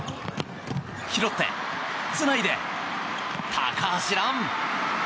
拾って、つないで高橋藍！